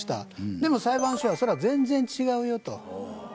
でも裁判所はそれは全然違うよと。